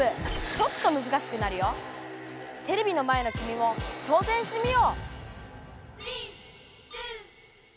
ちょっとテレビの前のきみも挑戦してみよう！